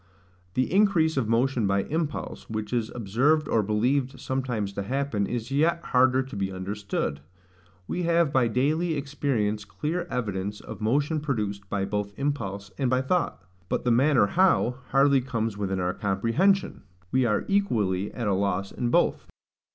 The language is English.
The increase of motion by impulse, which is observed or believed sometimes to happen, is yet harder to be understood. We have by daily experience clear evidence of motion produced both by impulse and by thought; but the manner how, hardly comes within our comprehension: we are equally at a loss in both.